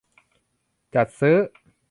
จัดซื้อ